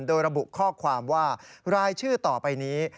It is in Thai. โดยระบุข้อความว่ารายชื่อต่อไปนี้